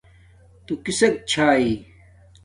تو کِسݵک چھݳئی؟